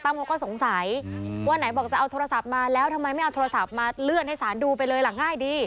เขาก็สงสัยว่าไหนบอกจะเอาโทรศัพท์มาแล้วทำไมไม่เอาโทรศัพท์มาเลื่อนให้สารดูไปเลยล่ะง่ายดี